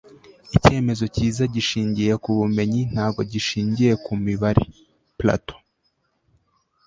icyemezo cyiza gishingiye ku bumenyi ntabwo gishingiye ku mibare. - platon